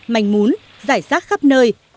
mảnh mún giải sát khắp nơi